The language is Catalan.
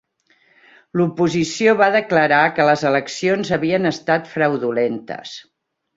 L'oposició va declarar que les eleccions havien estat fraudulentes.